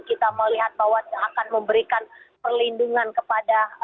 kita melihat bahwa akan memberikan perlindungan kepada